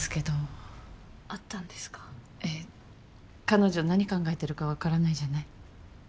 彼女何考えてるかわからないじゃない？